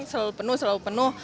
selalu penuh selalu penuh